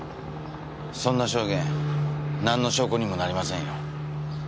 そんな証言なんの証拠にもなりませんよ。